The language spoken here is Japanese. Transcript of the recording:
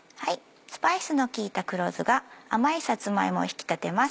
スパイスの効いた黒酢が甘いさつま芋を引き立てます。